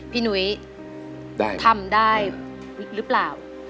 พี่หนุ๊ยทำได้หรือเปล่า